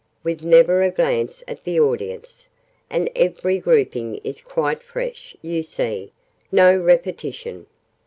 With never a glance at the audience! And every grouping is quite fresh, you see. No repetition!"